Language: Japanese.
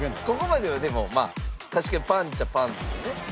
ここまではでもまあ確かにパンっちゃパンですよね。